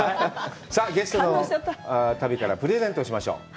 さあゲストの旅からプレゼントをしましょう。